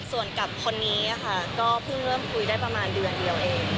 ส่วนกับคนนี้ค่ะก็เพิ่งเริ่มคุยได้ประมาณเดือนเดียวเอง